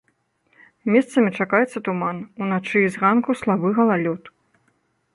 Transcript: Месцамі чакаецца туман, уначы і зранку слабы галалёд.